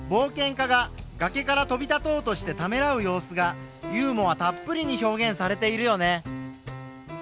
家ががけから飛び立とうとしてためらう様子がユーモアたっぷりに表現されているよね。